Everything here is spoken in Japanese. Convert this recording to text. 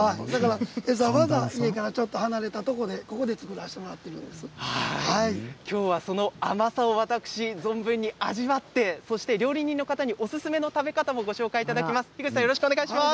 わざわざ家からちょっと離れたところできょうはその甘さを私存分に味わってそして料理人の方におすすめの食べ方もご紹介していただきます。